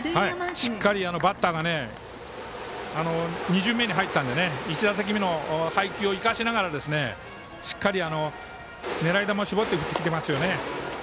しっかりバッターが２巡目に入ったので１打席目の配球を生かしながら狙い球を絞って振ってきていますよね。